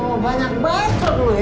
oh banyak banget loh ya